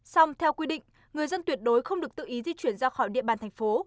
xong theo quy định người dân tuyệt đối không được tự ý di chuyển ra khỏi địa bàn thành phố